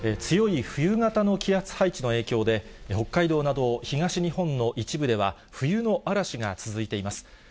強い冬型の気圧配置の影響で、北海道など東日本の一部では、冬の嵐が続いています。